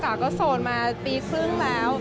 ก็โสดมาปีครึ่งแล้ว